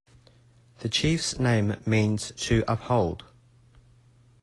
The chief's name means to uphold.